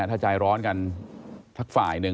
ถ้าใจร้อนกันสักฝ่ายหนึ่ง